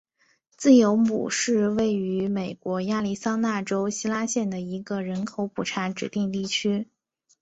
自由亩是位于美国亚利桑那州希拉县的一个人口普查指定地区。